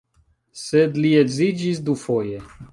Sed li edziĝis dufoje.